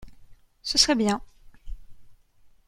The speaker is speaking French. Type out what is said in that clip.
Ce serait bien.